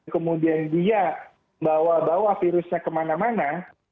kemudian dia bawa bawa virusnya kemana mana